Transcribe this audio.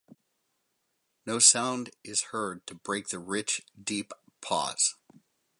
No sound is heard to break the rich, deep pause.